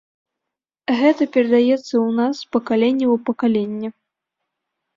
Гэта перадаецца ў нас з пакалення ў пакаленне!